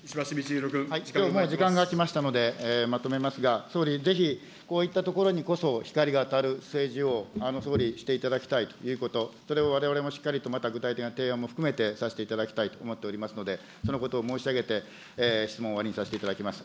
もう時間が来ましたので、まとめますが、総理ぜひ、こういったところにこそ光が当たる政治を総理、していただきたいということ、それをわれわれもしっかりと、また具体的な提案も含めてさせていただきたいと思っておりますので、そのことを申し上げて、質問を終わりにさせていただきます。